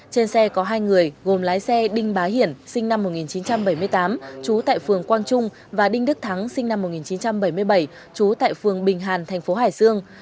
trên xe có hai người gồm lái xe đinh bá hiển sinh năm một nghìn chín trăm bảy mươi tám trú tại phường quang trung và đinh đức thắng sinh năm một nghìn chín trăm bảy mươi bảy trú tại phường bình hàn thành phố hải dương